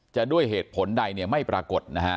ด้วยเหตุผลใดเนี่ยไม่ปรากฏนะฮะ